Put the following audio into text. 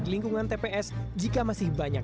dengan tps jika masih banyak